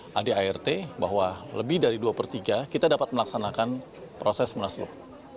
saya beri anggaran kepada prt bahwa lebih dari dua per tiga kita dapat melaksanakan proses melaksanakan